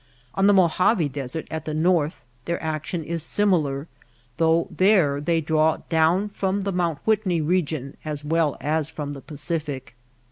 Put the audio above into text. On the Mojave Desert at the north their action is similar, though there they draw down from the Mount Whitney re gion as well as from the Pacific.